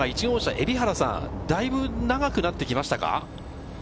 １号車・蛯原さん、だいぶ長くなってきましたか。